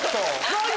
何？